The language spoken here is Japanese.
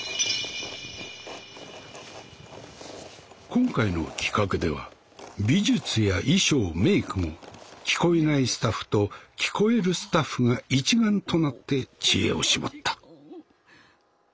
今回の企画では美術や衣装メークも聞こえないスタッフと聞こえるスタッフが一丸となって知恵を絞った。